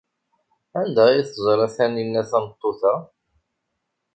Anda ay teẓra Taninna tameṭṭut-a?